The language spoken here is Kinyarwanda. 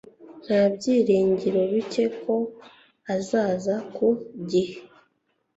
nta byiringiro bike ko azaza ku gihe